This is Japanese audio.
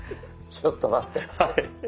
ちょっと待って。